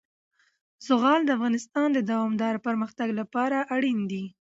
زغال د افغانستان د دوامداره پرمختګ لپاره اړین دي.